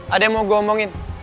ada yang mau gue omongin